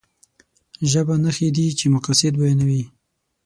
ژبه نښې دي چې مقاصد بيانوي.